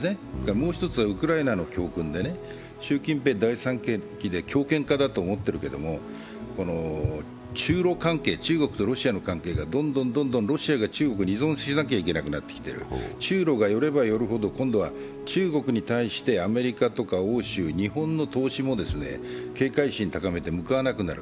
もう一つはウクライナの教訓で習近平第３期で強権化だと思っているけど中国とロシアの関係がどんどんロシアが中国に依存しなくちゃいけなくなっている、中ロが寄れば寄るほど、中国に対してアメリカも日本の投資も警戒心を高めてむくわなくなる。